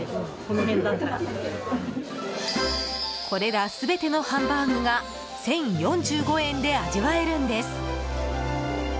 これら全てのハンバーグが１０４５円で味わえるんです。